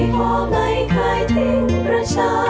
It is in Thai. แม้ว่าวันนี้เราคนไทย